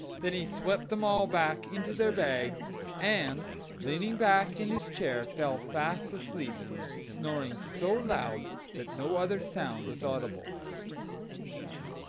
Then he swept them all back into their bags, and leaning back in his chair fell fast asleep, snoring so loud that no other sound was audible.